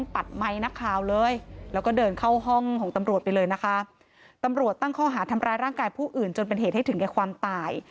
ผมตำรวจไปเลยนะฮะตำรวจตั้งข้อหาทำร้ายร่างกายผู้อื่นจนเป็นเหตุให้ถึงแค่ความตาย